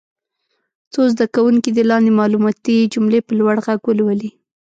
څو زده کوونکي دې لاندې معلوماتي جملې په لوړ غږ ولولي.